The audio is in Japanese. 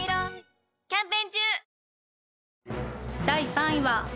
第３位は。